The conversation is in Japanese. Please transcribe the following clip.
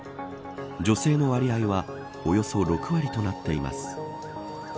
女性の割合はおよそ６割となっています。